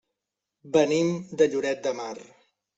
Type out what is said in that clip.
Venim de Lloret de Mar.